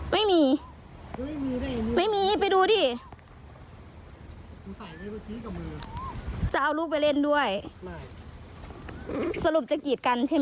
ไม่มีไม่มีไปดูดิจะเอาลูกไปเล่นด้วยไม่สรุปจะกีดกันใช่ไหม